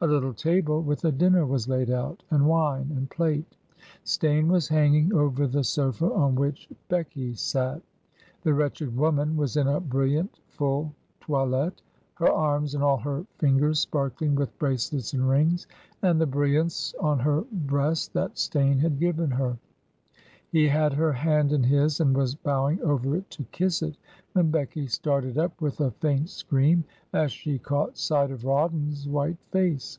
A little table with a dinner was laid out — and wine and plate. Steyne was hanging over the sofa on which Becky sat. The wretched woman was in a brilliant full toilette, her arms and all her fingers sparkling with bracelets and rings; and the brilliants on her breast that Steyne had given her. He had her hand in his and was bowing over it to kiss it, when Becky started up with a faint scream as she caught sight of Rawdon's white face.